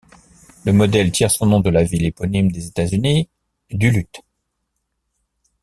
Le modèle tire son nom de la ville éponyme des États-Unis, Duluth.